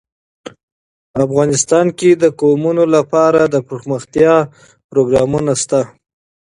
افغانستان کې د قومونه لپاره دپرمختیا پروګرامونه شته.